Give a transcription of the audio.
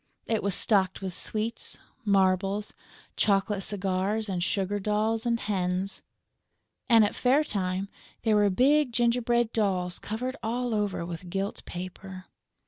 It was stocked with sweets, marbles, chocolate cigars and sugar dolls and hens; and, at fair time, there were big gingerbread dolls covered all over with gilt paper.